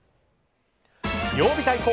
曜日対抗！